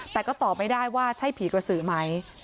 แต่ก็ตอบไม่ได้ว่าใช่ผีกระสือไหม